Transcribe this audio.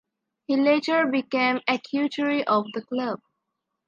He later became actuary of the club.